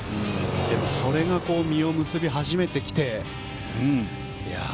それが実を結び始めてきて。